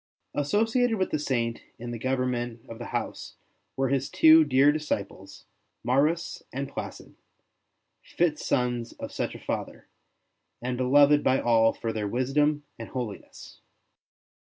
Associated with the Saint in the government of the house were his two dear disciples, Maurus and Placid, fit sons of such a Father, and beloved by all for their wisdom and holiness.